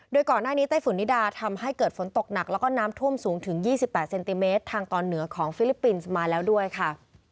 โดยก่อนหน้านี้ไต้ฝุ่นนิดาทำให้เกิดฝนตกหนักแล้วก็น้ำท่วมสูงถึง๒๘เซนติเมตรทางตอนเหนือของฟิลิปปินส์มาแล้วด้วยค่ะ